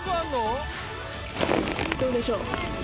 どうでしょう？